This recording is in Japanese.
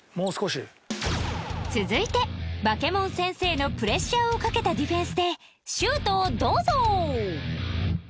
続いてバケモン先生のプレッシャーをかけたディフェンスでシュートをどうぞ